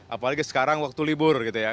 apalagi sekarang waktu libur gitu ya